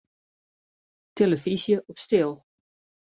Tillefyzje op stil.